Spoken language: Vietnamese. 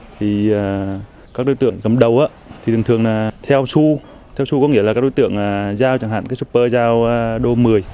thì các đối tượng gầm đầu thì thường thường là theo su theo su có nghĩa là các đối tượng giao chẳng hạn cái super giao đô một mươi